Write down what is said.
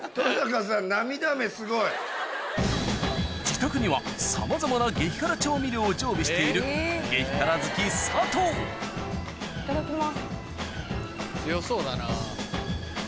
自宅にはさまざまな激辛調味料を常備している激辛好きいただきます。